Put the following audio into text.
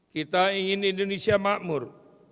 kita ingin indonesia makmur